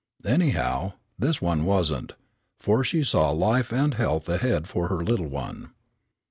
Anyhow, this one wasn't, for she saw life and health ahead for her little one.